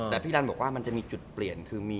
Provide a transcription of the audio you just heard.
แต่พี่อาร์มบอกมันจะมีจุดเปลี่ยน